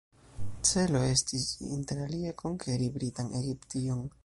Celo estis interalie konkeri britan Egiption.